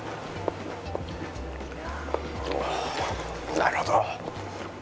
なるほど。